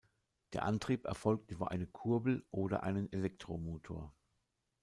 Der Antrieb erfolgt über eine Kurbel oder einen Elektromotor.